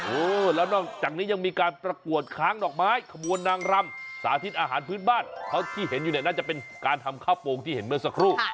แล้วนอกจากนี้ยังมีการประกวดค้างดอกไม้ขบวนนางรำสาธิตอาหารพื้นบ้านเขาที่เห็นอยู่เนี่ยน่าจะเป็นการทำข้าวโปรงที่เห็นเมื่อสักครู่